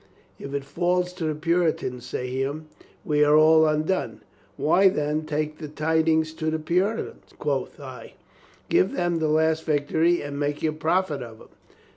If it falls to the Puritans, says he, we are all undone. Why, then, take the tidings to the Puri tans, quoth I, give them the last victory and make your profit of it.